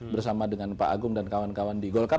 bersama dengan pak agung dan kawan kawan di golkar